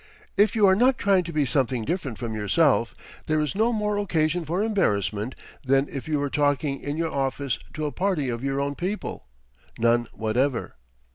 If you are not trying to be something different from yourself, there is no more occasion for embarrassment than if you were talking in your office to a party of your own people none whatever.